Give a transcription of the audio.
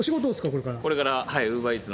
これから。